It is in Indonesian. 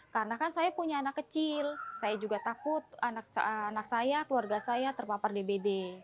karena kan saya punya anak kecil saya juga takut anak saya keluarga saya terpapar dbd